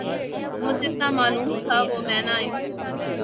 مجھے جتنا معلوم تھا وہ میں نے ان کو